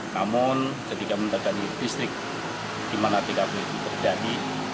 namun ketika mendatangi distrik di mana tkp itu terjadi